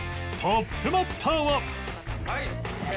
トップバッター。